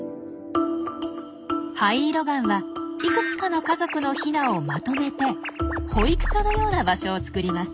ハイイロガンはいくつかの家族のヒナをまとめて保育所のような場所を作ります。